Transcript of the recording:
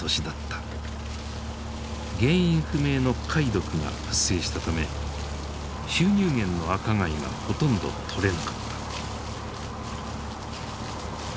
原因不明の貝毒が発生したため収入源の赤貝がほとんど取れなかった。